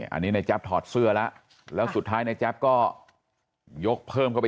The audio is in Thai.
อันนี้ในแจ๊บถอดเสื้อแล้วแล้วสุดท้ายในแจ๊บก็ยกเพิ่มเข้าไป